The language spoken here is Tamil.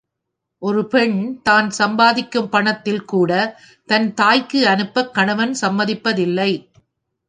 ஒரு பெண் தான் சம்பாதிக்கும் பணத்தில் கூட, தன் தாய்க்கு அனுப்பக் கணவன் சம்மதிப்ப தில்லை.